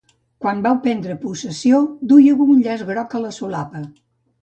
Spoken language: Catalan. Quan vau prendre possessió dúieu un llaç groc a la solapa.